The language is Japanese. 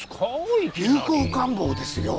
流行感冒ですよ。